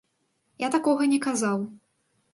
Я такога не казаў.